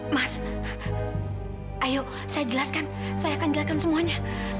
mas ayo saya jelaskan saya akan jelaskan semuanya